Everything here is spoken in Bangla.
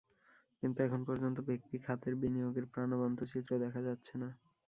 কিন্তু এখন পর্যন্ত ব্যক্তি খাতের বিনিয়োগের প্রাণবন্ত চিত্র দেখা যাচ্ছে না।